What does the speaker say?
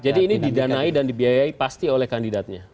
jadi ini didanai dan dibiayai pasti oleh kandidatnya